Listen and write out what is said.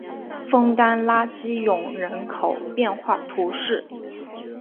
枫丹拉基永人口变化图示